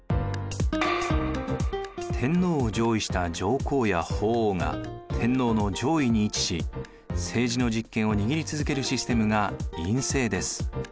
天皇を譲位した上皇や法皇が天皇の上位に位置し政治の実権を握り続けるシステムが院政です。